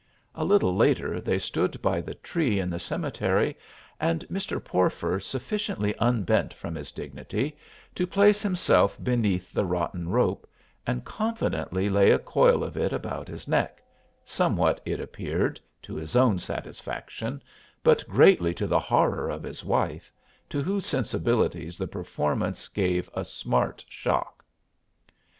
A little later they stood by the tree in the cemetery and Mr. Porfer sufficiently unbent from his dignity to place himself beneath the rotten rope and confidently lay a coil of it about his neck, somewhat, it appeared, to his own satisfaction, but greatly to the horror of his wife, to whose sensibilities the performance gave a smart shock.